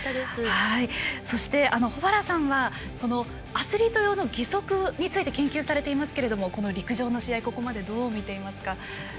そして保原さんはアスリート用の義足について研究されていますがこの陸上の試合をここまでどう見ていますか。